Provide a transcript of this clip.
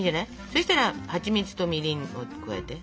そしたらはちみつとみりんを加えて。